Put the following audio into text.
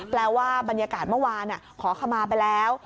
แปลว่าบรรยากาศเมื่อวานขอขมาไปแล้ว